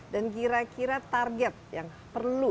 dan kira kira target yang perlu